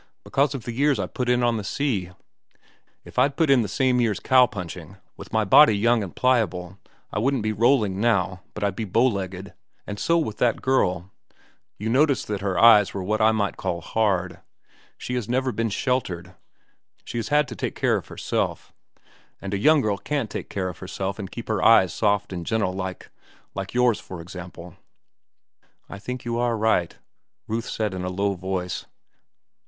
Because of the years I put in on the sea. If I'd put in the same years cow punching, with my body young and pliable, I wouldn't be rolling now, but I'd be bow legged. And so with that girl. You noticed that her eyes were what I might call hard. She has never been sheltered. She has had to take care of herself, and a young girl can't take care of herself and keep her eyes soft and gentle like—like yours, for example." "I think you are right," Ruth said in a low voice.